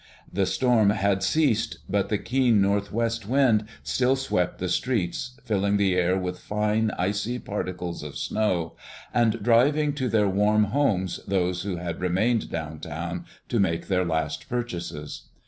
The storm had ceased, but the keen northwest wind still swept the streets, filling the air with fine, icy particles of snow, and driving to their warm homes those who had remained down town to make their last purchases.